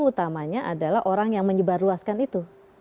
utamanya adalah orang yang menyebarluaskan itu